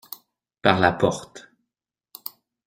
Par la porte.